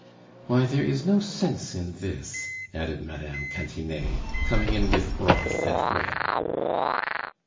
"Why, there is no sense in this!" added Mme. Cantinet, coming in with broth and bread.